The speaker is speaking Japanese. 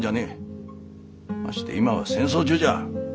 まして今は戦争中じゃ。